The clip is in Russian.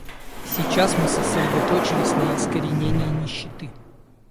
Сейчас мы сосредоточились на искоренении нищеты.